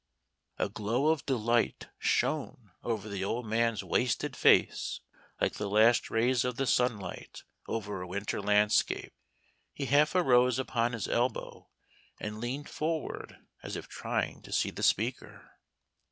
A glow of delight shone over the old man's wasted face, like the last rays of the sunlight over a winter landscape. He half arose upon his elbow, and leaned forward as if trying to see the speaker.